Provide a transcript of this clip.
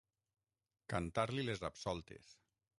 Cantar-li les absoltes.